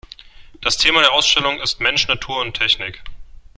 Das Thema der Ausstellung ist Mensch, Natur und Technik.